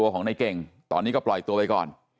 ของในเก่งตอนนี้ก็ปล่อยตัวไปก่อน